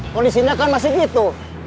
kondisinya kan masih gitu